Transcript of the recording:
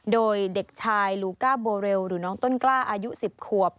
โดยเด็กชายลูก้าโบเรลหรือน้องต้นกล้าอายุ๑๐ขวบ